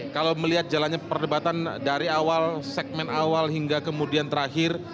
kalau melihat jalannya perdebatan dari awal segmen awal hingga kemudian terakhir